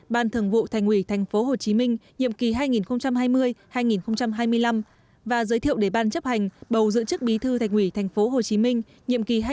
ban thường vụ thành ủy tp hcm nhiệm kỳ hai nghìn hai mươi hai nghìn hai mươi năm và giới thiệu để ban chấp hành bầu giữ chức bí thư thành ủy tp hcm nhiệm kỳ hai nghìn hai mươi hai nghìn hai mươi năm